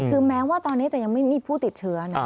คือแม้ว่าตอนนี้จะยังไม่มีผู้ติดเชื้อนะ